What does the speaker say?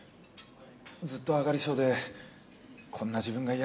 ずっと上がり症でこんな自分が嫌で。